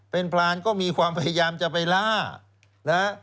เป็นพรานก็มีความพยายามจะไปล่านะฮะ